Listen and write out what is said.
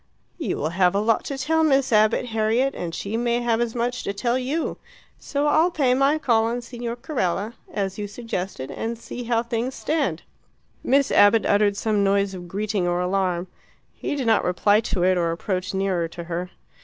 "You will have a lot to tell Miss Abbott, Harriet, and she may have as much to tell you. So I'll pay my call on Signor Carella, as you suggested, and see how things stand." Miss Abbott uttered some noise of greeting or alarm. He did not reply to it or approach nearer to her.